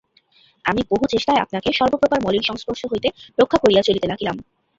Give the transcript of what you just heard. আমি বহু চেষ্টায় আপনাকে সর্বপ্রকার মলিন সংস্পর্শ হইতে রক্ষা করিয়া চলিতে লাগিলাম।